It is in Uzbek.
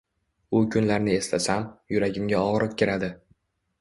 U kunlarni eslasam, yuragimga og`riq kiradi